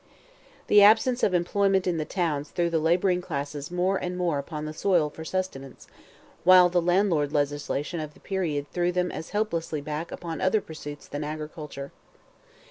The absence of employment in the towns threw the labouring classes more and more upon the soil for sustenance, while the landlord legislation of the period threw them as helplessly back upon other pursuits than agriculture.